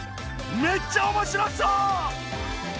めっちゃおもしろそう！